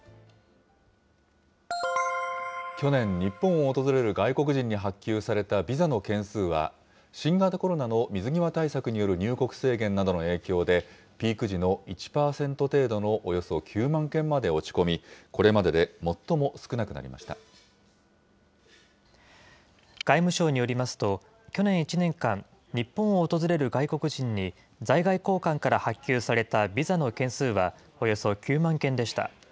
去年、日本を訪れる外国人に発給されたビザの件数は、新型コロナの水際対策による入国制限などの影響で、ピーク時の１％程度のおよそ９万件まで落ち込み、外務省によりますと、去年１年間、日本を訪れる外国人に在外公館から発給されたビザの件数は、およそ９万件でした。